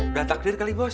udah takdir kali bos